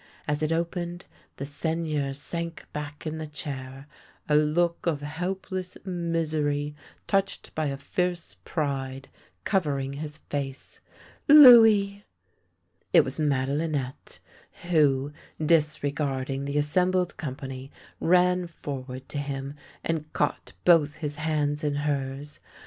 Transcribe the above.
As it opened, the Seigneur sank back in the chair, a look of helpless misery touched by a fierce pride covering his face. "Louis!" It was Madelinette, who, disregarding the assembled company, ran forward to him and caught both his hands in hers.